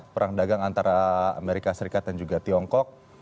perang dagang antara amerika serikat dan juga tiongkok